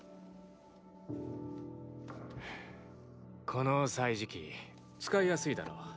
この歳時記使いやすいだろう？